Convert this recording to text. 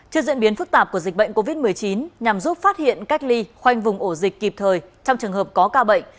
trước diễn biến phức tạp của dịch bệnh covid một mươi chín nhằm giúp phát hiện cách ly khoanh vùng ổ dịch kịp thời trong trường hợp có ca bệnh